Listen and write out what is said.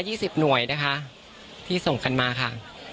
สิบหน่วยนะคะที่ส่งกันมาค่ะ